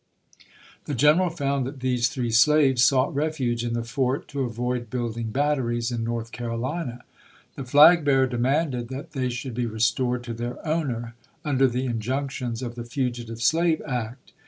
The general found that these three slaves sought refuge in the fort to avoid building batteries in North Carolina. The flag bearer demanded that they should be restored to their owner, under the injunctions of the fugitive slave act.